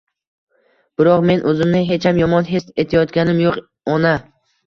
Biroq, men o‘zimni hecham yomon his etayotganim yo‘q, ona.